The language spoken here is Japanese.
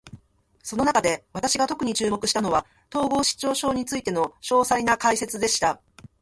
その中で、私が特に注目したのは、統合失調症についての詳細な解説でした。